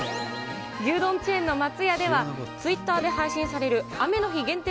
牛丼チェーンの松屋ではツイッターで配信される雨の日限定